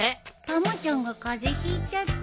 たまちゃんが風邪ひいちゃって。